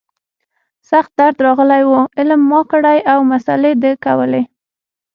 سخت درد راغلى و علم ما کړى او مسالې ده کولې.